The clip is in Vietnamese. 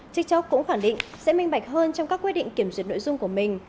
tiktok cũng khẳng định sẽ minh bạch hơn trong các quyết định kiểm duyệt nội dung của mình